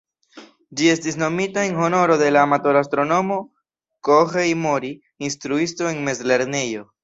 Ĝi estis nomita en honoro de la amatora astronomo "Kohei Mori", instruisto en mezlernejo.